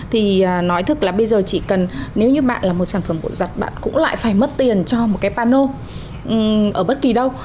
thì nói thực là bây giờ chỉ cần nếu như bạn là một sản phẩm bộ dặt bạn cũng lại phải mất tiền cho một cái pano ở bất kỳ đâu